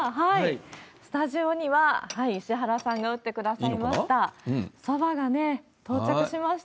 スタジオには、石原さんが打ってくださいましたそばが到着しました。